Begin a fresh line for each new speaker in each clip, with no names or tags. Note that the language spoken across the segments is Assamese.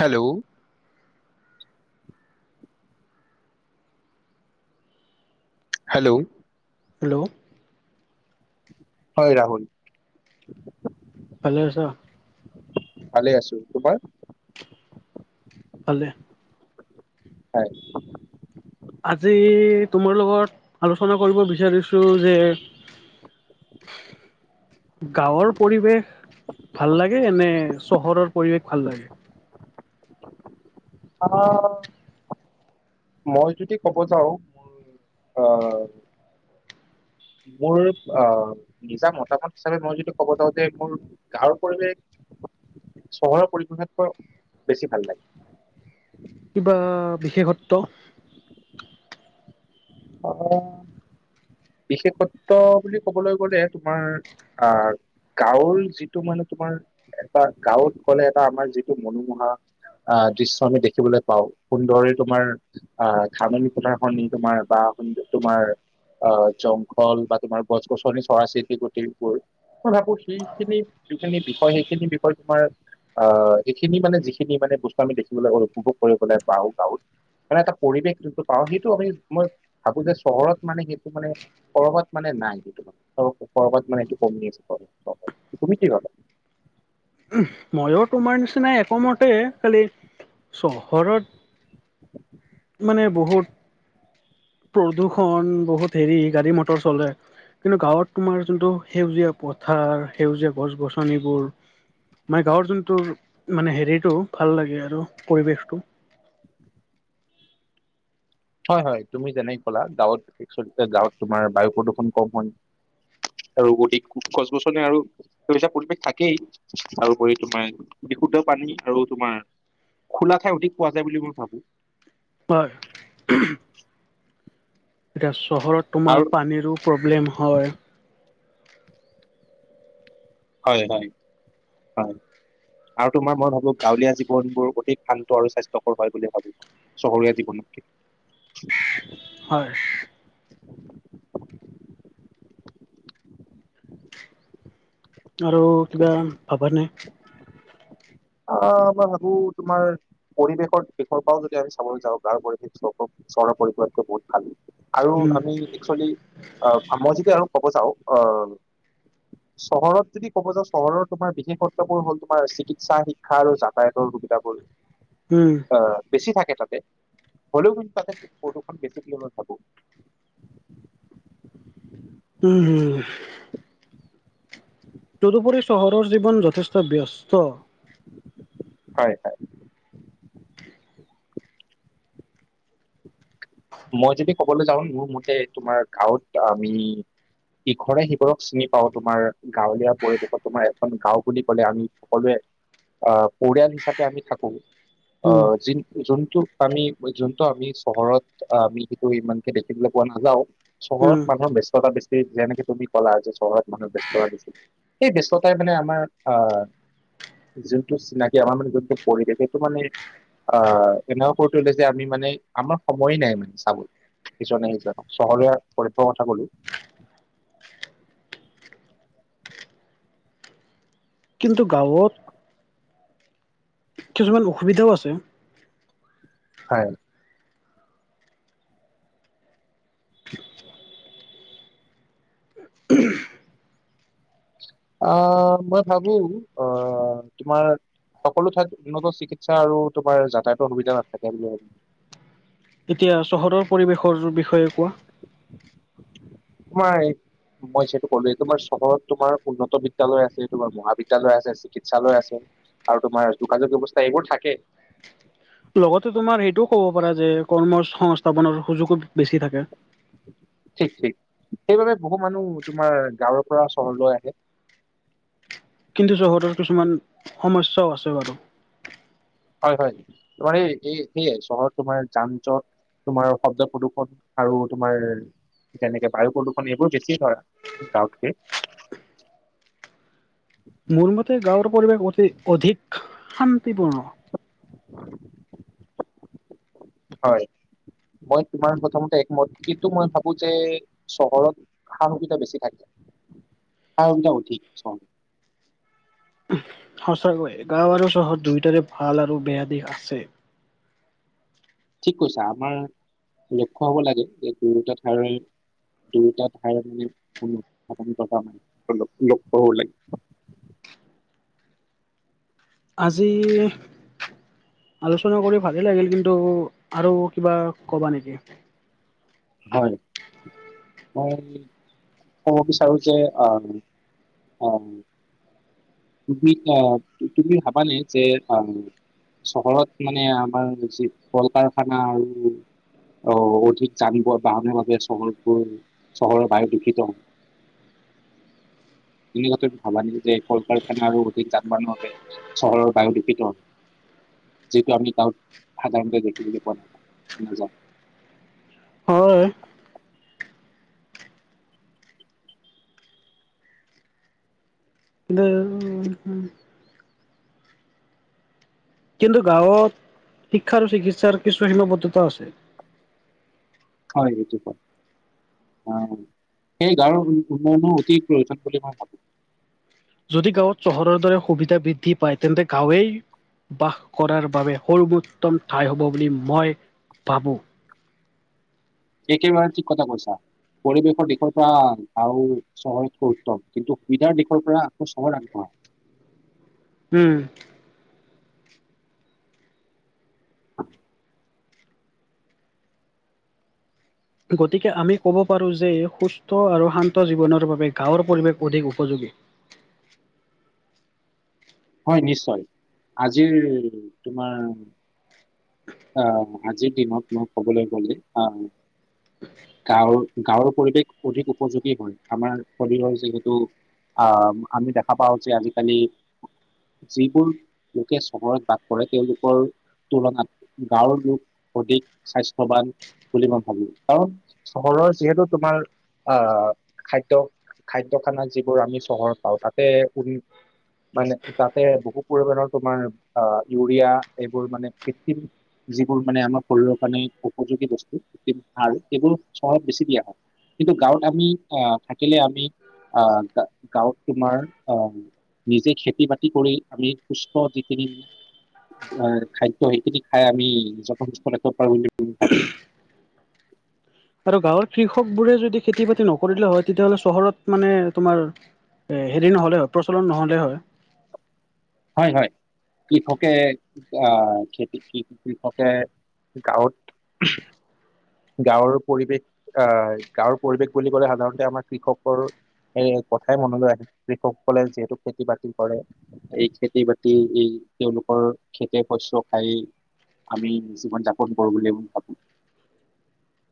হেল্ল', হেল্ল',
হেল্ল',
হয়। ৰাহুল
ভালে আছা?
ভালে আছো। তোমাৰ?
ভালে।
হয়।
আজি তোমাৰ লগত আলোচনা কৰিব বিচাৰিছো যে গাঁৱৰ পৰিৱেশ ভাল লাগে নে, চহৰৰ পৰিৱেশ ভাল লাগে?
[unintelligible] মই যদি ক'ব যাওঁ, মোৰ আ, মোৰ অ, নিজা মতামত হিচাপে মই যদি ক'ব যাওঁ যে মোৰ গাঁৱৰ পৰিৱেশ চহৰৰ পৰিৱেশতকৈ বেছি ভাল লাগে।
কিবা বিশেষত্ব
আহ', বিশেষত্ব বুলি ক'বলৈ গলে তোমাৰ আ', গাঁৱৰ যিটো মানে তোমাৰ এটা গাঁৱত গ'লে এটা আমাৰ যিটো মনোমোহা আহ দৃশ্য আমি দেখিবলৈ পাওঁ সুন্দৰে তোমাৰ আহ ধাননি পথাৰখননি তোমাৰ বা তোমাৰ আহ জংঘল বা তোমাৰ গছ গছনি চৰাই চিৰিকতিবোৰ মই ভাবো সেইখিনি যিখিনি বিষয় সেইখিনি বিষয় তোমাৰ আহ', এইখিনি মানে যিখিনি মানে বস্তু আমি দেখিবলৈ উপভোগ কৰিব পাওঁ গাঁৱত। মানে এটা পৰিৱেশ যোনটো পাওঁ। সেইটো আমি মই ভাবো যে চহৰত মানে সেইটো মানে চহৰত মানে নাই, সেইটো। [unintelligible] [inaudible] তুমি কি ভাবা?
ময়ো তোমাৰ নিচিনা একমতেই খালি চহৰত মানে বহুত প্ৰদূষণ বহুত হেৰি গাড়ী-মটৰ চলে। কিন্তু গাঁৱত তোমাৰ যোনটো সেউজীয়া পথাৰ সেউজীয়া গছ-গছনিবোৰ মানে গাঁৱৰ যোনটো মানে হেৰিটো ভাল লাগে আৰু পৰিৱেশটো।
হয় হয়, তুমি যেনে কলা গাঁৱত একচুৱেলি গাঁৱত তোমাৰ বায়ু প্ৰদূষণ কম হয়। টু চিকি আৰু অধিক খুব গছ-গছনি আৰু সেউজীয়া পৰিৱেশ থাকেই তাৰোপৰি তোমাৰ বিশুদ্ধ পানী আৰু তোমাৰ খোলা ঠাই অধিক পোৱা যায় বুলি মই ভাবো।
হয়, উমহু উহু। এতিয়া চহৰত তোমাৰ
আৰু
পানীৰো প্ৰব্লেম হয়।
হয় হয় হয়। আৰু তোমাৰ মই ভাবো গাঁৱলীয়া জীৱনবোৰ অধিক শান্ত আৰু স্বাস্থ্যকৰ হয় বুলি ভাবো। চহৰীয়া জীৱনতকে চু অ অ আহ।
হয় এ হে। আৰু কিবা ভাবা নে?
আ আ আ মই ভাবো তোমাৰ পৰিৱেশৰ দিশৰ পৰাও যদি আমি চাবলৈ যাওঁ গাওঁৰ পৰিৱেশ ছৰ চহৰৰ পৰিপক্ষত কে বহুত ভাল। আৰু
উম
আমি একচুৱেলী আ মই যদি আৰু কব যাওঁ অ অ অ চহৰত যদি ক'ব যাওঁ চহৰৰ তোমাৰ বিশেষত্ববোৰ হল তোমাৰ চিকিৎসা শিক্ষা আৰু যাতায়তৰ সুবিধাবোৰ।
উম উ উ।
অ অ অ, বেছি থাকে তাতে হলেও কিন্তু তাতে প্ৰদূষণ বেছি বুলি মই ভাবো।
উম উ, হুম উ উ। তদুপৰি চহৰৰ জীৱন যথেষ্ট ব্যস্ত।
হয়-হয়। মই যদি ক'বলৈ যাওঁ মোৰ মতে তোমাৰ গাঁৱত আমি ই ই ইঘৰে সিঘৰক চিনি পাওঁ তোমাৰ গাঁৱলীয়া পৰিৱেশত তোমাৰ এখন গাঁৱ বুলি ক'লে আমি সকলোৱে আ আ, পৰিয়াল হিচাপে আমি থাকো। অ অ
উম
অ, যিন যোনটো আমি ওই যোনটো আমি চহৰত টু আমি সেইটো ইমানকে দেখিবলৈ পোৱা নাযাও চহৰত
উম
মানুহৰ ব্যস্ততা বে তে যেনেকে তুমি কলা যে চহৰত মানুহৰ ব্যস্ততা বেছি। সেই ব্যস্ততাই মানে আমাৰ আ আ। যোনটো চিনাকি আমাৰ মানে যোনটো পৰিৱেশ এইটো মানে আ আ আ, এনেও কৰি তুলে যে আমি মানে আমাৰ সম ময়েই নাই মানে চাব টক ইজনে সিজনক চহৰীয়া পৰিৱেশৰ কথা কলো।
কিন্তু গাঁৱত কিছুমান অসুবিধাও আছে।
হয়। আ আ আ, মই ভাবো অ অ অ অহ অহ। অ, তোমাৰ সকলো ঠাইত উন্নত চিকিৎসা আৰু তোমাৰ যাতায়াতৰ সুবিধা নাথাকে বুলি ভাবো।
এতিয়া চহৰৰ পৰিৱেশৰ বিষয়ে কোৱা।
মাই। মই সেইটো কলোৱে তোমাৰ চহৰত তোমাৰ উন্নত বিদ্যালয় আছে তোমাৰ মহাবিদ্যালয় আছে চিকিৎসালয় আছে। আৰু তোমাৰ যোগাযোগ ব্যৱস্থা এইবোৰ থাকে।
লগতে তোমাৰ এইটোও ক'ব পাৰা যে কৰ্ম-সংস্থাপনৰ সুযোগো ব বেছি থাকে।
ঠিক ঠিক, সেইবাবে বহু মানুহ তোমাৰ গাঁৱৰ পৰা চহৰলৈ আহে।
কিন্তু চহৰত কিছুমান সমস্যাও আছে বাৰু।
হয় হয় তোমাৰ এই সেয়াই চহৰত তোমাৰ যান জট তোমাৰ শব্দ প্ৰদূষণ আৰু তোমাৰ তেনেকে বায়ু প্ৰদূষণ এইবোৰ বেছি হয় গাঁৱতকে।
মোৰ মতে গাঁৱৰ পৰিৱেশ অতি অধিক শান্তিপূৰ্ণ।
হয়, মই তোমাৰ কথামতে একমত কিন্তু মই ভাবো যে চহৰত সাহসিতা বেছি থাকে সাহসিতা [unintelligible]
সচাকৈয়, গাঁও আৰু চহৰ দুয়োটাৰে ভাল আৰু বেয়া দিশ আছে।
ঠিক কৈছা, আমাৰ লক্ষ্য হব লাগে যে দুয়োটা ঠাইয়ৰে দুয়োটা ঠাই মানে [unintelligible]
আজি আলোচনা কৰি ভালে লাগিল কিন্তু, আৰু কিবা ক'বা নেকি?
হয়। মই ক'ব বিচাৰো যে অ অ তুমি আ তুমি ভাবা নে যে আ চহৰত মানে আমাৰ যি কল কাৰখানা আৰু অ অধিক যান বাহানৰ বাবে চহৰবোৰ চহৰৰ বায়ু দূষিত তুমি হয়টো ভাবা নে যে কল কাৰখানা আৰু অধিক যান বাহনৰ বাবে চহৰৰ বায়ু দুষিত হয়। যিটো আমি গাঁৱত আমি সাধাৰণতে দেখিবলৈ পোৱা নাযায়।
হয় এ উম উম কিন্তু গাঁৱত শিক্ষা আৰু চিকিৎসাৰ কিছু সীমাবদ্ধতাও আছে।
হয় অ সেই গাঁৱৰ উন্নয়নো অতি প্ৰয়োজন বুলি মই ভাবো।
যদি গাঁৱত চহৰৰ দৰে সুবিধা বৃদ্ধি পায় তেন্তে গাঁৱেই বাস কৰাৰ বাবে সৰ্বোত্তম ঠাই হব বুলি মই ভাবো।
একে বাৰে ঠিক কথা কৈছা পৰিৱেশৰ দেখৰ পৰা আৰু চহৰতকৈ উত্তম কিন্তু সুবিধাৰ দিশৰ পৰা আকৌ চহৰ আগবঢ়া।
উম
[inaudible]
গতিকে আমি ক'ব পাৰো যে সুস্থ আৰু শান্ত জীৱনৰ বাবে গাঁৱৰ পৰিৱেশ অধিক উপযোগী।
হয় নিশ্চয়। আজিৰ তোমাৰ অ আজিৰ দিনত মই কবলৈ গলে আ গাঁৱৰ গাঁৱৰ পৰিৱেশ অধিক উপযোগী হয় আমাৰ শৰীৰৰ যিহেতু আহ আমি দেখা পাওঁ যে আজিকালি যিবোৰ লোকে চহৰত বাস কৰে তেওঁলোকৰ তুলনাত গাঁৱৰ লোক অধিক স্বাস্থ্যৱান বুলি মই ভাবো কাৰণ চহৰৰ যিহেতু তোমাৰ আ খাদ্য খাদ্য খানা যিবোৰ আমি চহৰত পাওঁ তাতে মানে তাতে বহু পৰিমণৰ তোমাৰ অ ইউৰিয়া এইবোৰ মানে ঠিক যিবোৰ মানে আমাৰ শৰীৰৰ কাৰণে উপযোগী বস্তু আৰু এইবোৰ চহৰত বেছি দিয়া হয়। কিন্তু গাঁৱত আমি আহ থাকিলে আমি আহ গাঁৱত তোমাৰ আহ নিজে খেতি-বাতি কৰি আমি সুস্থ যিখিনি খাদ্য সেইখিনি খাই আমি [unintelligible] পাৰো বুলি ভাবো।
আৰু গাঁৱৰ কৃষকবোৰে যদি খেতি-বাতি নকৰিলে হয়, তেতিয়াহ'লে চহৰত মানে তোমাৰ হেৰি নহ'লে হয় প্ৰচলন নহ'লে হয়।
হয় হয়, কৃষকে খেতি কৃষকে গাঁৱত গাঁৱৰ পৰিৱেশ আহ গাঁৱৰ পৰিৱেশ বুলি ক'লে সাধাৰণতে আমাৰ কৃষকৰ এই কথাই মনলৈ আহে কৃষকসকলে যিহেতু খেতি-বাতি কৰে। এই খেতি-বাতি এই তেওঁলোকৰ খেতিৰ শস্য [unintelligible] আমি জীৱন যাপন কৰো বুলি মই ভাবো।
[inaudible]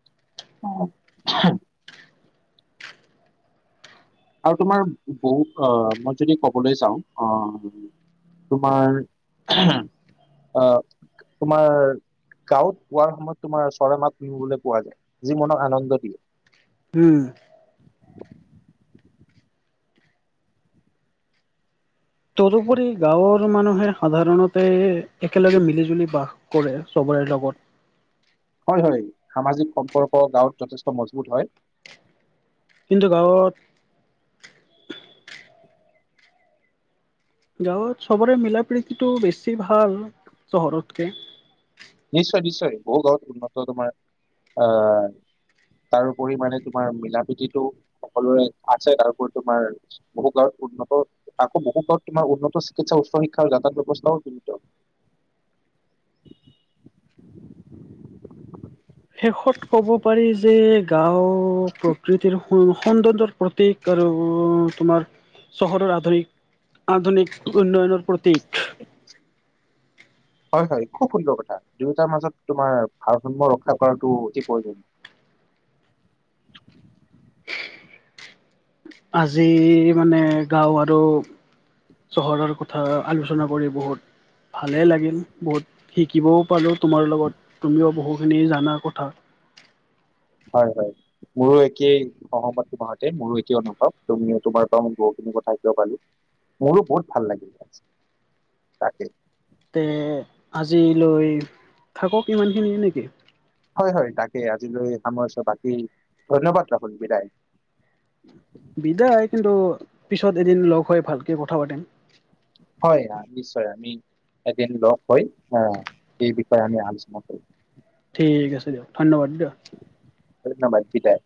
[inaudible] আৰু তোমাৰ বহুত আহ মই যদি ক'বলৈ যাওঁ অ' তোমাৰ আহ, তোমাৰ গাঁৱত পোৱাৰ সময়ত তোমাৰ চৰাই মাত শুনিবলৈ পোৱা যায়, যি মনত আনন্দ দিয়ে।
উম। তদুপৰি গাঁৱৰ মানুহে সাধাৰণতে একেলগে মিলিজুলি বাস কৰে, চবৰে লগত।
হয় হয়, সামাজিক সম্পৰ্ক গাঁৱত যথেষ্ট মজবুত হয়।
কিন্তু গাঁৱত গাঁৱত চবৰে মিলা প্ৰীতিটো বেছি ভাল, চহৰতকে।
নিশ্চয় নিশ্চয়, বহু [unintelligible] উন্নত তোমাৰ আহ তাৰ উপৰি মানে তোমাৰ মিলা প্ৰীতিটো সকলোৰে আছে। তাৰোপৰি তোমাৰ বহু গাঁওত উন্নত, আকৌ বহু গাঁৱত তোমাৰ উন্নত চিকিৎসা উচ্চ শিক্ষাৰ যাতায়াত ব্যৱস্থাও [unintelligible]
শেষত ক'ব পাৰি যে গাঁও প্ৰকৃতিৰ সৌন্দৰ্যৰ প্ৰতীক, আৰু তোমাৰ চহৰৰ আধুনিক আধুনিক উন্নয়নৰ প্ৰতীক।
হয় হয়, খুব সুন্দৰ কথা দুয়োটাৰ মাজত তোমাৰ ভাৰসাম্য ৰক্ষা কৰাটো অতি প্ৰয়োজন।
আজি মানে গাওঁ আৰু চহৰৰ কথা আলোচনা কৰি বহুত ভালেই লাগিল, বহুত শিকিবও পালো তোমাৰ লগত তুমিও বহুখিনি জানা কথা।
হয় হয়, মোৰো একেই। সহমত তোমাৰ সৈতে, মোৰো একে অনুভৱ তুমিও তোমাৰ পৰা মই বহুখিনি কথা শিকিব পাৰিলো। মোৰো বহুত ভাল লাগিল, তাকে।
তে আজিলৈ থাকক ইমানখিনিয়ে নেকি।
হয় হয়, তাকে আজিলৈ সামৰিছো বাকী ধন্যবাদ জ্ঞাপন বিদায়।
বিদায়! কিন্তু পিছত এদিন লগ হৈ ভালকে কথা পাতিম।
হয় নিশ্চয়, আমি এদিন লগ হৈ আহ সেই বিষয়ে আমি আলোচনা কৰিম।
ঠিক আছে দিয়ক, ধন্যবাদ দিয়ক।
ধন্যবাদ, বিদায়!